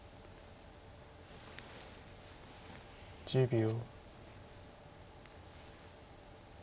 １０秒。